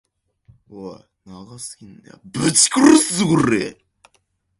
しばらくして、羽音が烈しくなったかと思うと、箱はまるで風の中の看板のようにひどく揺れだしました。